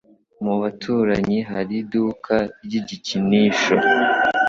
Mubaturanyi hari iduka ry igikinisho.